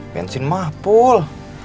bensin mah pul